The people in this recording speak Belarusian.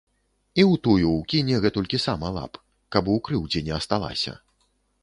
І ў тую ўкіне гэтулькі сама лап, каб ў крыўдзе не асталася.